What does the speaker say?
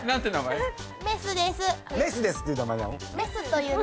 メスですっていう名前なの？